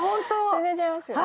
全然違いますよね。